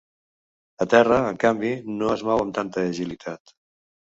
A terra, en canvi, no es mou amb tanta agilitat.